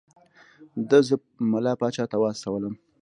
ده زه ملا پاچا ته واستولم.